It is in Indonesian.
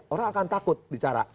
orang akan takut bicara